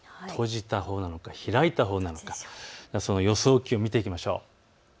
閉じたほうなのか開いたほうなのか予想気温を見ていきましょう。